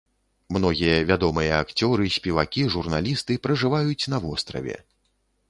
Многія вядомыя акцёры, спевакі, журналісты пражываюць на востраве.